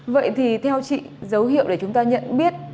vậy thì theo chị dấu hiệu để chúng ta nhận biết